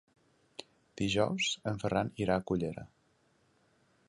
Dijous en Ferran irà a Cullera.